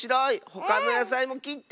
ほかのやさいもきって。